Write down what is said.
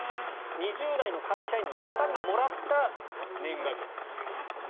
２０代の会社員の方がもらった年賀状です。